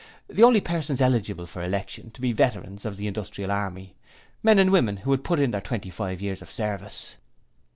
The only persons eligible for election to be veterans of the industrial Army, men and women who had put in their twenty five years of service.